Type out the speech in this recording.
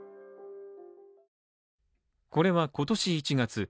これは今年１月。